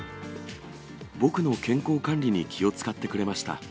僕の健康管理に気を遣ってくれました。